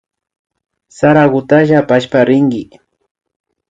Sarakutalla apashpa rinki